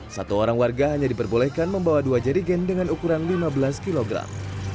satu orang warga hanya diperbolehkan membawa dua jerigen dengan ukuran lima belas kilogram